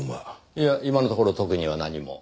いや今のところ特には何も。